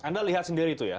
anda lihat sendiri itu ya